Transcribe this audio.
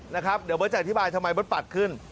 นะครับเดี๋ยวเบิร์ตจะอธิบายทำไมเบิร์ตปัดขึ้น